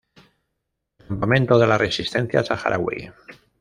El campamento de la Resistencia Saharaui.